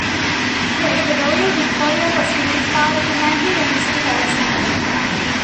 Today, the Royal Victoria Hospital is part of the McGill University Health Centre.